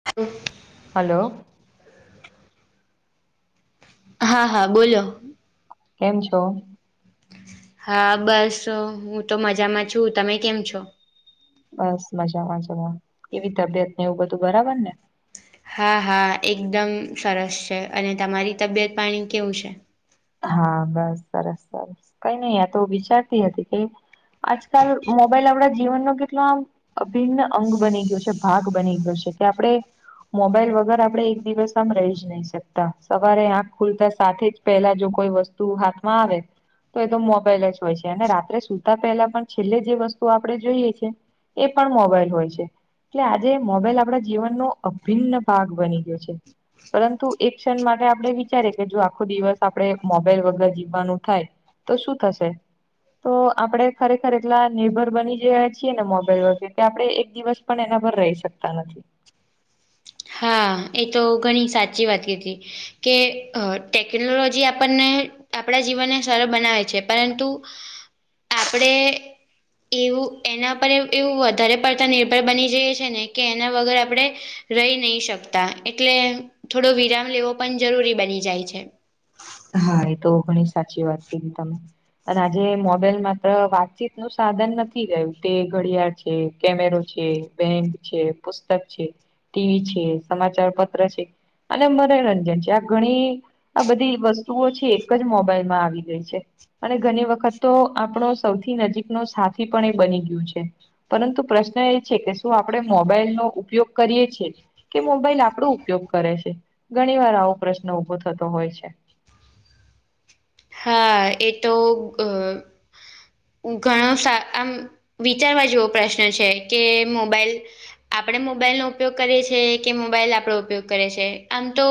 [inaudible] હાલો. હા હા બોલો કેમ છો? હા બસ હું તો મજામાં છું તમે કેમ છો? બસ મજામાં જવા કેવી તબિયત ને એવું બધું બરાબર ને? હા હા એકદમ સરસ છે, અને તમારી તબિયત પાણી કેવું છે!? હા બસ સરસ સરસ કઈ નહી આ તો વિચારતી હતી કે આજકાલ મોબાઈલ અવડે જીવનનો કેટલો આમ અભિન્ન અંગ બની ગયો છે, ભાગ બની ગયો છે, કે આપડે મોબાઈલ વગર આપડે એક દિવસ આમ રહી જ નહી શકતા સવારે આંખ ખુલતા સાથે જ પેલા જો કોઈ વસ્તુ હાથમાં આવે તો એ તો મોબાઈલ જ હોય છે, અને રાત્રે સુતા પહેલા પણ છેલ્લે જે વસ્તુ આપણે જોઈએ છે. એ પણ મોબાઈલ હોય છે. એટલે આજે મોબાઈલ આપણા જીવનનો અભિન્ન ભાગ બની ગયો છે. પરંતુ એક ક્ષણ માટે આપણે વિચારી કે જો આખો દિવસ આપણેે મોબાઈલ વગર જીવવાનું થાય તો શું થશે તો આપડે ખરેખર એટલા નિર્ભર બની ગયા છીએ ને મોબાઈલ વગે કે આપડે એક દિવસ પણ એના પર રેય શકતા નથી. હા એ તો ઘણી સાચી વાત કીકી કે અ ટેક્નોલોજી આપણને આપણા જીવનને સરળ બનાવે છે, પરંતુ આપડે એવું એના પર એવ એવું વધારે પડતા નિર્ભર બની જઈએ છે, ને કે એના વગર આપડે રેય નહી શકતા એટલે થોડો વિરામ લેવો પણ જરૂરી બની જાય છે. હા એ તો ઘણી સાચી વાત કીધી તમે અને આજે મોબાઈલ માત્ર વાતચીતનું સાધન નથી રહયું તે ઘડિયાળ છે, કેમેરો છે. બેંક છે, પુસ્તક છે, ટીવી છે, સમાચાર પત્ર છે. અને મનોરંજન છે આ ઘણી આ બધી વસ્તુ વસ્તુઓ છે એક જ મોબાઈલમાં આવી ગઈ છે. અને ઘણી વખત તો આપણો સૌથી નજીકનો સાથી પણ એ બની ગયું છે. પરંતુ પ્રશ્ન એ છે કે શું આપણે મોબાઈલ નો ઉપયોગ કરીએ છીએ કે મોબાઈલ આપણો ઉપયોગ કરે છે ઘણી વાર આવો પ્રશ્ન ઉભો થતો હોય છે. હા એ તો અ ઘણો આમ વિચારવા જેવો પ્રશ્ન છે કે મોબાઈલ આપડે મોબાઈલ નો ઉપયોગ કરીએ છીએ કે મોબાઈલ આપડો ઉપયોગ કરે છે આમ તો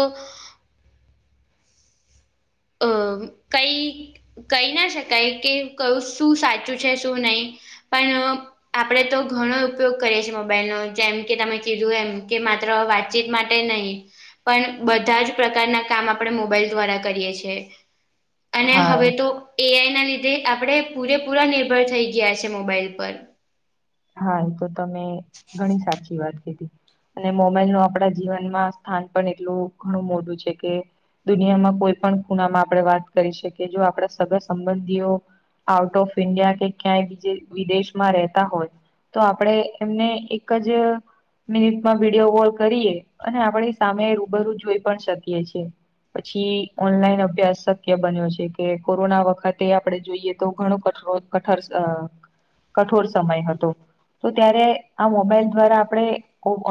અ કઈ કહી ના શકાય કે ક શું સાચું છે શું નહી? પણ? આપણે તો ઘણો ઉપયોગ કરીએ છીએ મોબાઈલનો જેમ કે તમે કીધું એમ કે માત્ર વાત વાતચીત માટે નહીં પણ બધા જ પ્રકારના કામ આપણે મોબાઈલ દ્વારા કરીએ છીએ. અને હા હવે તો? એઆઈ ના લીધે આપણેે પૂરેપૂરા નિર્ભર થઈ ગયા છે મોબાઈલ પર. હા એ તો તમે ઘણી સાચી વાત કીધી. અને મોબાઈલ નું આપણા જીવનમાં સ્થાન પણ એટલું ઘણું મોટું છે કે દુનિયામાં કોઈ પણ ખુનામાં આપણે વાત કરી શકીએ જો આપણા સગા સંબંધીઓ. આઉટ ઓફ ઇન્ડિયા કે ક્યાંય બીજે વિદેશમાં રહેતા હોય. તો આપડે એમને એક જ મિનિટમાં વિડીયો કોલ કરીએ અને આપણી સામે રૂબરૂ જોઈ પણ શકીએ છીએ. પછી ઓનલાઈન અભ્યાસ શક્ય બન્યો છે કે કોરોના વખતે આપણે જોઈએ તો ઘણો કટરો કઠર કઠોર સમય હતો. તો ત્યારે આ મોબાઈલ દ્વારા આપણે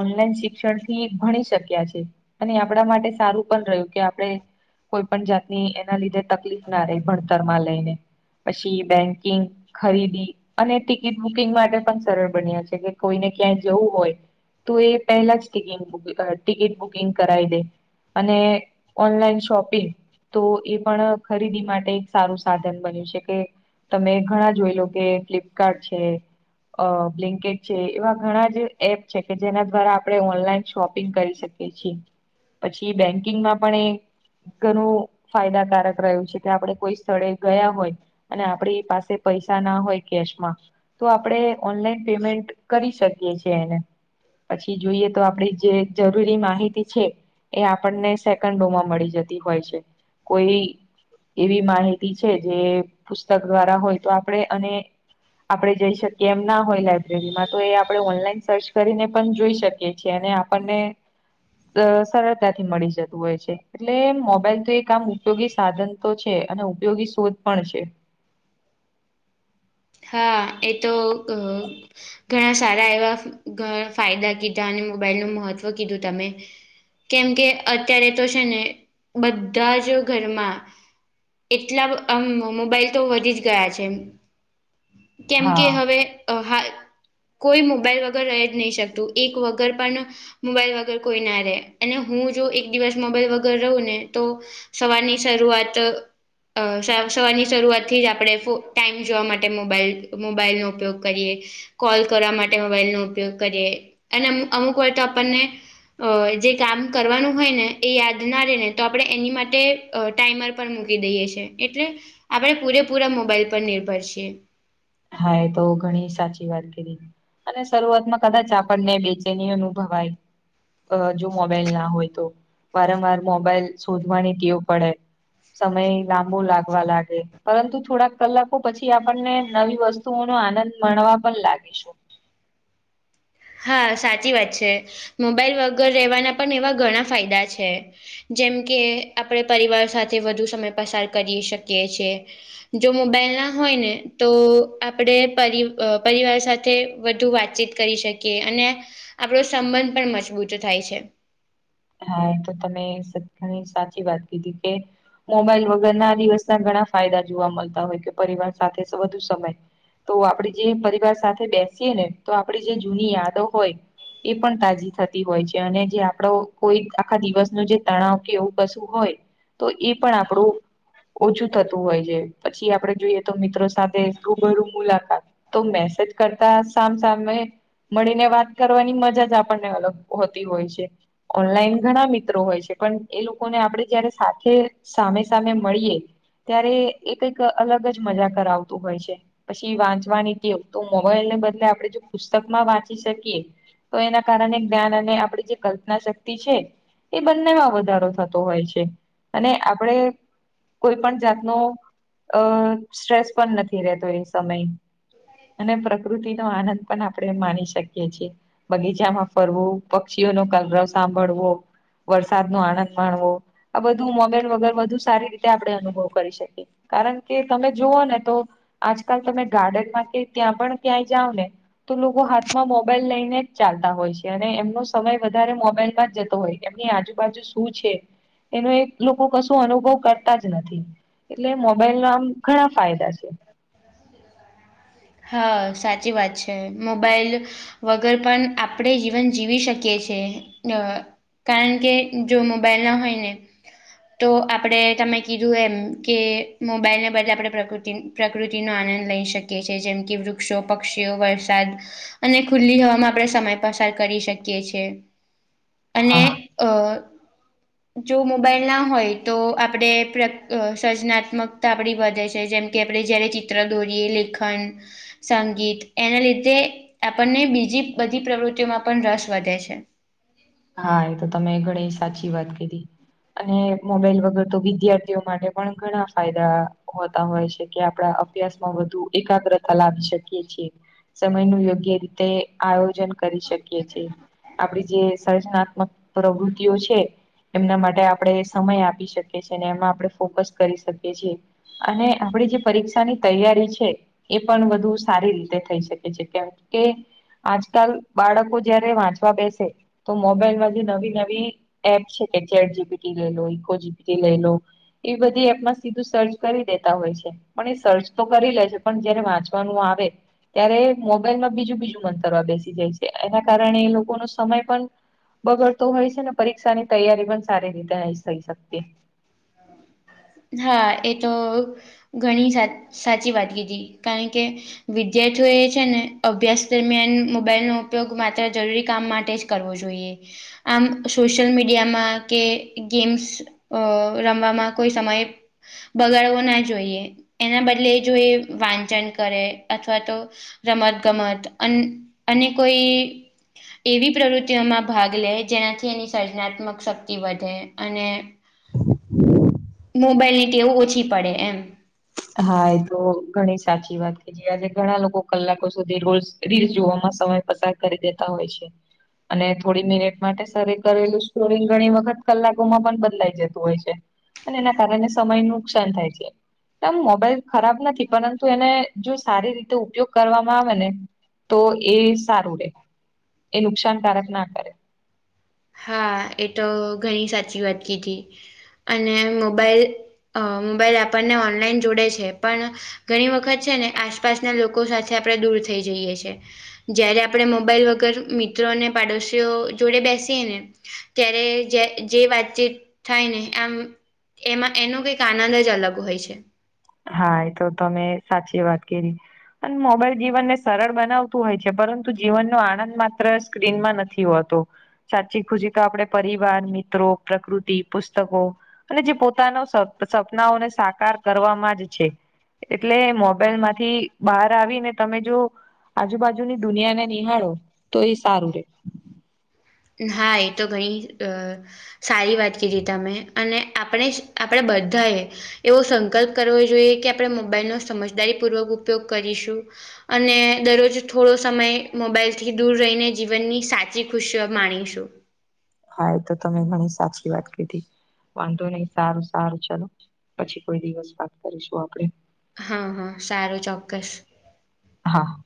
ઓનલાઈન શિક્ષણથી ભણી શક્યા છે. અને આપણા માટે સારું પણ રહ્યું કે આપડે. કોઈ પણ જાતની એના લીધે તકલીફ ના રહી ભણતર માં લઈને. પછી બેંકિંગ, ખરીદી અને ટિકિટ બુકિંગ માટે. પણ સરળ બન્યા છે કે કોઈને ક્યાંય જવું હોય? તો એ પહેલા જ ટિકિટ બુકિંગ કરાવી દે. અને ઓનલાઈન શોપિંગ, તો એ પણ ખરીદી માટે એક સારું સાધન બન્યું છે કે તમે ઘણા જોઈ લો કે ફ્લિપકાર્ટ છે. અ બ્લિન્કેટ છે એવા ઘણા જે એપ છે કે જેના દ્વારા આપણે ઓનલાઈન શોપિંગ કરી શકીએ. પછી બેંકિંગમાં પણ એ. ઘણું ફાયદાકારક રહ્યું છે કે આપડે કોઈ સ્થળે ગયા હોય? અને આપડી પાસે પૈસા ના હોય કેશમાં તો આપડે ઓનલાઈન પેમેન્ટ કરી શકીએ છીએ એને. પછી જોઈએ તો આપડી જે જરૂરી માહિતી છે. એ આપણને સેકન્ડોમાં મળી જતી હોય છે કોઈ? એવી માહિતી છે જે પુસ્તક દ્વારા હોય તો આપણેે અને આપડે જઈ શકી કેમ ના હોય લાયબ્રેરીમાં તો એ આપણે ઓનલાઈન સર્ચ કરીને પણ જોઈ શકીએ છીએ અને આપણને. અ સરળતાથી મળી જતું હોય છે. એટલે મોબાઈલ તો એક આમ ઉપયોગી સાધન તો છે અને ઉપયોગી શોધ પણ છે. હા એ તો ગ ઘણા સારા એવા ફાયદા કીધા અને મોબાઈલનું મહત્વ કીધું તમે. કેમ કે અત્યારે તો છે ને બધા જ ઘરમાં એટલા આમ મોબાઈલ તો વધી જ ગયા છે. કેમ હા કે હવે હા કોઈ મોબાઈલ વગર રહે જ નહીં શકતું એક વગર પણ મોબાઈલ વગર કોઈ ના રહેે અને હું જો એક દિવસ મોબાઈલ વગર રહું ને તો સવારની શરૂઆત સવારની શરૂઆત થી જ આપણે ટાઈમ જોવા માટે માટે મોબાઈલ મોબાઈલનો ઉપયોગ કરીએ કોલ કરવા માટે મોબાઈલનો ઉપયોગ કરીએ અને અમુક વાર તો આપણને અ જે કામ કરવાનું હોય ને એ યાદ ના રહે ને તો આપણે એની માટે અ ટાઈમર પર મૂકી દઈએ છ છેએ એટલે આપણેે પૂરેપૂરા મોબાઈલ પર નિર્ભર છીએ. હા એ તો ઘણી સાચી વાત કરી અને શરૂઆતમાં કદાચ આપણને બેચે ની અનુભવાય અ જો મોબાઈલ ના હોય તો વારંવાર મોબાઈલ શોધવાની ટેવ પડે સમય લાંબો લાગવા લાગે પરંતુ થોડાક કલાકો પછી આપણને નવી વસ્તુઓ નો આનંદ મળણવા પણ લાગીશું હા સાચી વાત છે મોબાઈલ વગર રહેવાના પણ એવા ઘણા ફાયદા છે. જેમ કે આપણે પરિવાર સાથે વધુ સમય પસાર કરી શકીએ છેએ જો મોબાઈલ ના હોય ને તો આપણે પરિ પરિવાર સાથે સાથે વધુ વાતચીત કરી શકીએ અને આપણો સંબંધ પણ મજબૂત થાય છે. હા એ તો તમે ઘણી સાચી વાત કીધી કે મોબાઈલ વગર ના દિવસના ઘણા ફાયદા જોવા મળતા હોય કે પરિવાર સાથે વધુ સમય તો આપડી જે પરિવાર સાથે બેસીએ ને તો આપડી જે જૂની યાદો હોય એ પણ તાજી થતી હોય છે અને જે આપડો કોઈ આખા દિવસ ન જે તણાવ કે એવું કશું હોય તો એ પણ આપણું ઓછું થતું હોય છે પછી આપડે જોઈએ તો મિત્રો સાથે રૂબરું મુલાકાત તો મેસેજ કરતા સામ સામેમે મળીને વાત કરવાની મજા જ આપણને અલગ હોતી હોય છે. ઓનલાઈન ઘણા મિત્રો હોય છે પણ એ લોકોને આપડણે જયારે સાથે સામે સામે મળીએ ત્યારે એ કઈક અલગ જ મજા કરાવતું હોય છે. પછી વાંચવાની કેટેવ તો મોબાઈલ ને બદલે આપણે જો પુસ્તક માં વાંચી શકીએ તો એના કારણે જ્ઞાન અને આપણી જે કલ્પના શક્તિ એ બંનેમાં વધારો થતો હોય છે અને આપણે કોઈ પણ જાતનો અ સ્ટ્રેસ પણ નથી રહેતો એ સમય અને પ્રકૃતિ નો આનંદ પણ આપણે માની શકીએ છીએ બગીચામાં ફરવું પક્ષીઓ નો કલરવ સાંભળવો વરસાદ નો આનંદ માણવો આ બધું મોગન વગર બધું સારી રીતે આપણે અનુભવ કરી શકીએ કારણ કે તમે જુઓ ને તો આજકાલ તમે ગાર્ડનમાં કે ત્યાં પણ ક્યાંય જાવ ને તો લોકો હાથમાં મોબાઈલ લઈને જ ચાલતા હોય છે અને એમનો સમય વધારે મોબાઈલ જતો હોય એમની આજુબાજુ શું છે. એનો એક લોકો કશો અનુભવ કરતા જ નથી એટલે મોબાઈલ ના આમ ઘણા ફાયદા છે. હા સાચી વાત છે મોબાઈલ વગર પણ આપણે જીવન જીવી શકીએ છેએ ક કારણ કે જો મોબાઈલ ના હોય ને તો આપણેે તમે કીધું એમ કે મોબાઈલને બદલે આપણે પ્રકૃતિ પ્રકૃતિનો આનંદ લઈ શકીએ છીએ જેમ કે વૃક્ષો પક્ષીઓ વરસાદ અને ખુલ્લી હવામાં આપણે સમય પસાર કરી શકીએ છે અને હા અ જો મોબાઈલ ના હોય તો આપણે સર્જનાત્મક તા આપડી વધે છે જેમ કે આપણે જયારે ચિત્ર દોરીએ લેખન સંગીત એના લીધે આપણને બીજી બધી પ્રવૃત્તિઓમાં પણ રસ વધે છે. હા એ તો તમે ઘણી સાચી વાત કધી અને મોબાઈલ વગર તો વિદ્યાર્થીઓ માટે પણ ઘણા ફાયદા હોતા હોય છે કે આપડા [unintelligible] વધુ એકાગ્રતા લાવી શકી છે, સમય નું યોગ્ય રીતે આયોજન કરી શકીએ છે, આપડી જે સર્જનાત્મક પ્રવૃતિઓ છે એમના માટે આપણે સમય આપી શકીએ છીએ અને એમાં આપણે ફોકસ કરી શકીએ છીએ. અને આપડી જે પરીક્ષાની તૈયારી છે. એ પણ વધુ સારી રીતે થઈ શકે છે. કેમ કે આજકાલ બાળકો જયારે વાંચવા બેસે તો મોબાઈલમાં જે નવી નવી એપ છે કે ચેટ જી બી ટી લઈ લો ઇકો જી બી ટી લઈ લો એ બધી એપમાં સીધું સર્ચ કરી દેતા હોય છે. પણ એ સર્ચ તો કરી લે છે, પણ જયારે વાંચવાનું આવે ત્યારે મોબાઈલમાં બીજું બીજું મંતરવા બેસી જાય છે, એના કારણે એ લોકોનો સમય પણ બગડતો હોય છે ને પરીક્ષા ની તૈયારી પણ સારી રીતે નહીં થઈ શકતી. [unintelligible] [inaudible] હા, એતો ઘણી સાચી વાત કીધી. કારણ કે વિદ્યાર્થીઓ એ છે ને અભ્યાસ દરમિયાન મોબાઈલનો ઉપયોગ માત્ર જરૂરી કામ માટે જ કરવો જોઈએ. આમ સોશયલ મીડિયામાં કે ગેમ્સ રમવામાં કોઈ સમયે બગાડવો ના જોઈએ, એના બદલે જોએ વાંચન કરે અથવા તો રમત ગમત અન અને કોઈ એવી પ્રવૃત્તિઓમાં ભાગ લે જેનાથી એની સર્જનાત્મક શક્તિ વધે અને હું. [inaudible] મોબાઈલ ની ટેવું ઓછી પડે એમ. હા એતો ઘણી સાચી વાત આજે ઘણા લોકો કલાકો સુધી રીલસ જોવામાં સમય પસાર કરી દેતા હોય છે. અને થોડી મિનિટ માટે સારું કરેલું સ્ટોરિંગ ઘણી વખત કલાકોમાં પણ બદલાઈ જતું હોય છે. અને એના કારણે સમય નુકસાન થાય છે. તેમ મોબાઈલ ખરાબ નથી, પરંતુ એને જો સારી રીતે ઉપયોગ કરવામાં આવેને તો એ સારું રે. એ નુકસાનકારક ના કરે. હા, એતો ઘણી સાચી વાત કીધી અને મોબાઈલ અ મોબાઈલ આપણને ઓનલાઈન જોડે છે પણ ઘણી વખત છે ને આસપાસના લોકો સાથે આપણે દૂર થઈ જઈએ છે. જયારે આપણે મોબાઈલ વગર મિત્રો અને પાડોશીઓ જોડે બેસ સીએ ને ત્યારે જે જે વાતચીત થાય ને આમ‌ એમાં એનો કંઈક આનંદ જ અલગ હોય છે. હા એતો તમે સાચી વાત કરી. અને મોબાઈલ જીવનને સરળ બનાવતું હોય છે, પરંતુ જીવનનો આનંદ માત્ર સ્ક્રીનમાં નથી હોતો. સાચી ખુશી તો આપડે પરિવાર, મિત્રો, પ્રકૃતિ, પુસ્તકો અને જે પોતાનો સપ સપનાઓને સાકાર કરવા માટે છે એટલે મોબાઈલમાંથી બહાર આવીને તમે જોવો આજુબાજુની દુનિયાને નિહાળો તોએ સારું રે. હા એતો ઘણી સારી વાત કીધી તમે અને આપણે આપણે બધાએ એવો સંકલ્પ કરવો જોઈએ કે આપણે મોબાઈલનો સમજદારી પૂર્વક ઉપયોગ કરીશું‌ અને દરરોજ થોડો સમય મોબાઈલથી દૂર રહીને જીવનની સાચી ખુશી દ માણીશું. હા એતો તમે ઘણી સાચી વાત કીધી. વાંધો નહીં સારું સારું ચાલ, પછી કોઈ દિવસ વાત કરીશું આપડે. હા, હા સારું ચોક્કસ. હા.